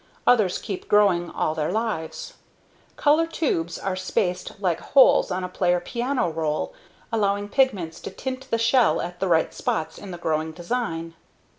Others keep growing all their lives. Color tubes are spaced like holes on a player piano roll allowing pigments to tint the shell at the right spots in the growing design.